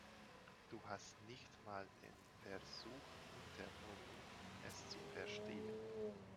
Du hast nicht mal den Versuch unternommen, es zu verstehen.